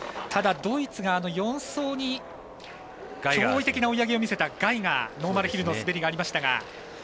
ドイツが４走に驚異的な追い上げを見せたガイガー、ノーマルヒルの滑りがありましたが。